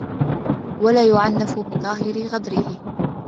وَلَا يُعَنَّفُ بِظَاهِرِ غَدْرِهِ